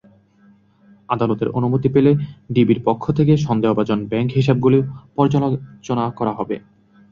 আদালতের অনুমতি পেলে ডিবির পক্ষ থেকে সন্দেহভাজন ব্যাংক হিসাবগুলো পর্যালোচনা করা হবে।